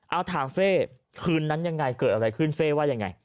เอาถามเฟ่คืนนั้นยังไงเกิดอะไรขึ้นเฟ่ว่ายังไง